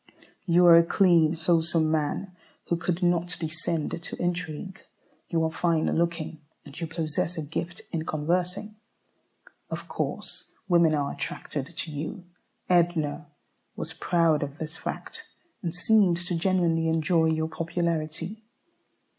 You are a clean, wholesome man, who could not descend to intrigue. You are fine looking, and you possess a gift in conversing. Of course women are attracted to you. Edna was proud of this fact, and seemed to genuinely enjoy your popularity.